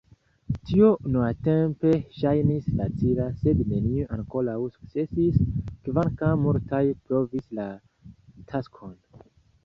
Tio unuatempe ŝajnis facila, sed neniu ankoraŭ sukcesis, kvankam multaj provis la taskon.